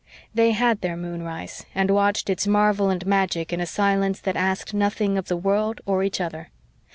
They had their moonrise, and watched its marvel and magic in a silence that asked nothing of the world or each other.